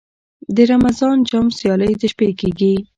د رمضان جام سیالۍ د شپې کیږي.